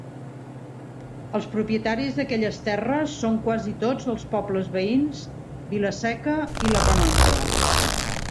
Els propietaris d'aquelles terres són quasi tots dels pobles veïns, Vila-seca i La Canonja.